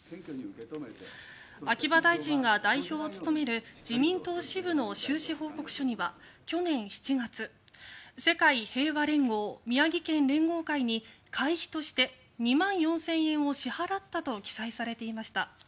秋葉大臣が代表を務める自民党支部の収支報告書には去年７月世界平和連合宮城県連合会に会費として２万４０００円を支払ったと記載されていました。